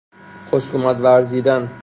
خصومت ورزیدن